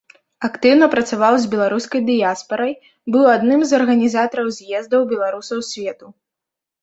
Актыўна працаваў з беларускай дыяспарай, быў адным з арганізатараў з'ездаў беларусаў свету.